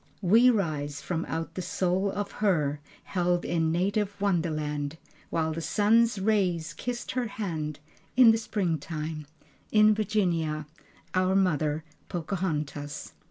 We rise from out the soul of her Held in native wonderland, While the sun's rays kissed her hand, In the springtime, In Virginia, Our Mother, Pocahontas.